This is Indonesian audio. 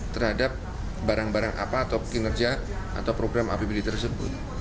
terhadap barang barang apa atau kinerja atau program apbd tersebut